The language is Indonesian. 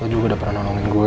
lo juga udah pernah nolongin gue